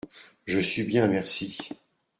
Je suis bien, merci !